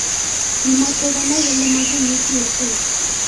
Kimache konai kole makimuech ochei